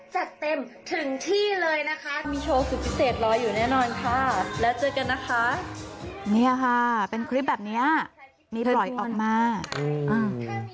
เจอกันนะคะเนี่ยค่ะเป็นคลิปแบบเนี้ยนี่ปล่อยออกมาอืม